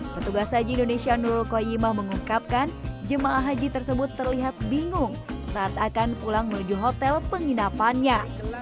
petugas haji indonesia nurul koyimah mengungkapkan jemaah haji tersebut terlihat bingung saat akan pulang menuju hotel penginapannya